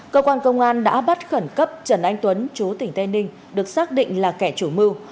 cơ quan công an đã bắt khẩn cấp trần anh tuấn chú tỉnh tây ninh được xác định là kẻ chủ mưu